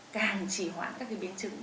càng trì hoãn các biến chứng